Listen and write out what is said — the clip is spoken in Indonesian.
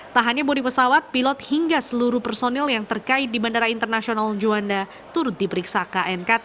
tak hanya bodi pesawat pilot hingga seluruh personil yang terkait di bandara internasional juanda turut diperiksa knkt